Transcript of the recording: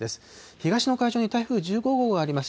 東の海上に台風１５号があります。